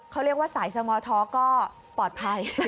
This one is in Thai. เขาเรียกว่าสายสมอท้อก็ปลอดภัย